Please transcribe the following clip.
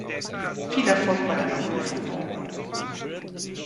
Viel Erfolg bei deiner Prüfung morgen!